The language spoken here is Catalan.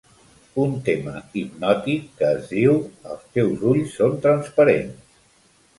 Un tema hipnòtic que es diu «Els teus ulls són transparents».